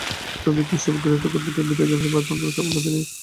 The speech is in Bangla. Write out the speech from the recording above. তবে কি খুব শিগগির ক্রিকেটকে বিদায় বলছেন ভারতের অন্যতম সফল এই অধিনায়ক?